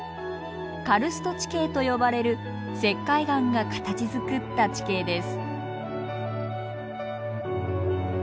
カルスト地形と呼ばれる石灰岩が形づくった地形です。